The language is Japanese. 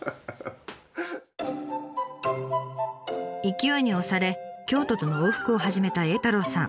勢いに押され京都との往復を始めた栄太郎さん。